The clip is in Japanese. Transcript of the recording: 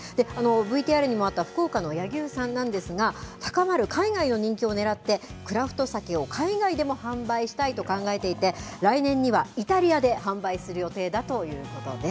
ＶＴＲにもあった福岡の柳生さんなんですが、高まる海外の人気をねらって、クラフトサケを海外でも販売したいと考えていて、来年にはイタリアで販売する予定だということです。